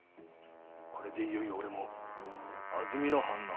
これでいよいよ俺も安曇野藩の藩主だ。